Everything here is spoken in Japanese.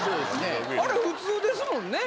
あれ普通ですもんね？